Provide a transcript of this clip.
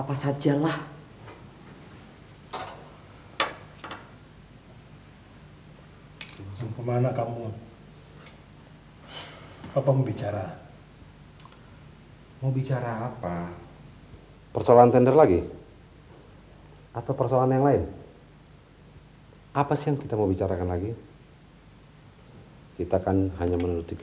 mohon petunjuk sama yang punya hidup